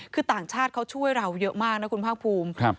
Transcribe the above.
คือต่างชาติเขาช่วยเราเยอะมากนะคุณภาคภูมิ